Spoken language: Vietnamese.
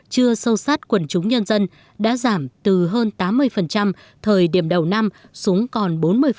chưa sâu sát quần chúng nhân dân đã giảm từ hơn tám mươi thời điểm đầu năm xuống còn bốn mươi